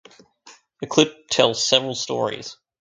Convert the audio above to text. The clip tells several stories.